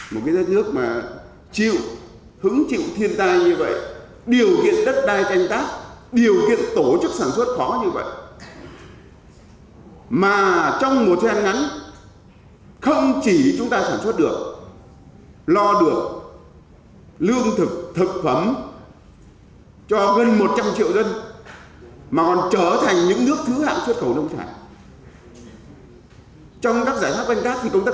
một cái đất nước mà chịu hứng chịu thiên tai như vậy điều kiện đất đai tranh tác